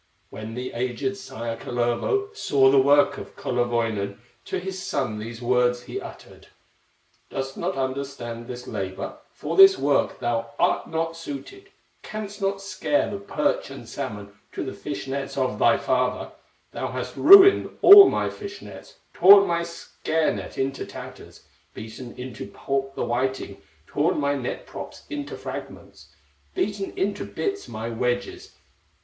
When the aged sire, Kalervo, Saw the work of Kullerwoinen, To his son these words he uttered: "Dost not understand this labor, For this work thou art not suited, Canst not scare the perch and salmon To the fish nets of thy father; Thou hast ruined all my fish nets, Torn my scare net into tatters, Beaten into pulp the whiting, Torn my net props into fragments, Beaten into bits my wedges.